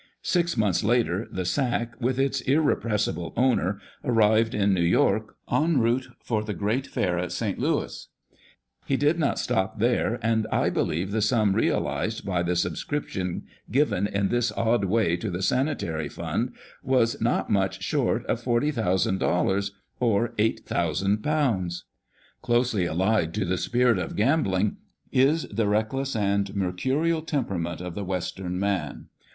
Six months later the sack, with its irrepressible owner, arrived in New York, en route for the great fair at St. Louis. He did not stop here, and I believe the sum realised by the sub scription given in this odd way to the Sanitary Fund, was not much short of forty thousand dollars, or eight thousand pounds. Closely allied to the spirit of gambling is the reckless and mercurial temperament of the Western man.